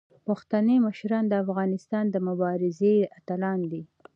پښتني مشران د افغانستان د مبارزې اتلان دي.